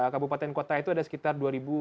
kabupaten kota itu ada sekitar dua dua ratus enam